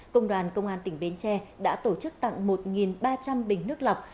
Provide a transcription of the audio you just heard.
công đoàn công an tỉnh bến tre đã tổ chức tặng một ba trăm linh bình nước lọc